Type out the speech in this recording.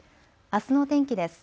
あすの天気です。